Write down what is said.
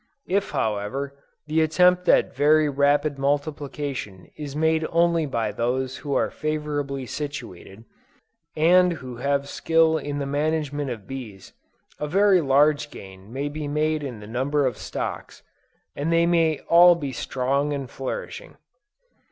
If however, the attempt at very rapid multiplication is made only by those who are favorably situated, and who have skill in the management of bees, a very large gain may be made in the number of stocks, and they may all be strong and flourishing.